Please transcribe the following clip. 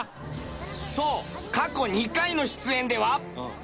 そう過去２回の出演では。